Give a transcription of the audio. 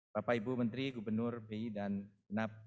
bapak ibu menteri gubernur b i dan nap